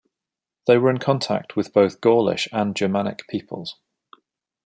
They were in contact with both Gaulish and Germanic peoples.